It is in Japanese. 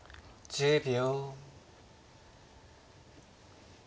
１０秒。